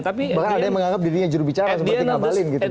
bahkan ada yang menganggap dirinya jurubicara seperti ngabalin gitu